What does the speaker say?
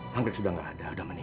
nanti dia bisa gila disini